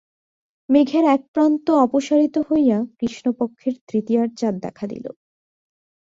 মেঘের এক প্রান্ত অপসারিত হইয়া কৃষ্ণপক্ষের তৃতীয়ার চাঁদ দেখা দিল।